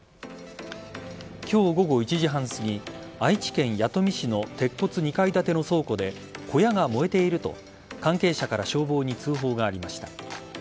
今日午後１時半すぎ愛知県弥富市の鉄骨２階建ての倉庫で小屋が燃えていると関係者から消防に通報がありました。